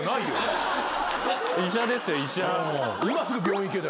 医者ですよ医者。